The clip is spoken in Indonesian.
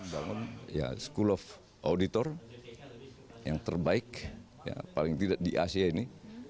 bangun ya school of auditor yang terbaik paling tidak di asia ini